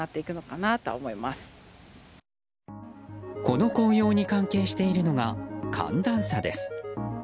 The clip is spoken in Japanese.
この紅葉に関係しているのが寒暖差です。